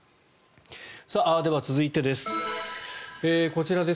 では続いてです。